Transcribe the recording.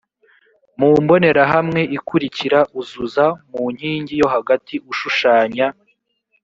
mu mbonerahamwe ikurikira uzuza mu nkingi yo hagati ushushanya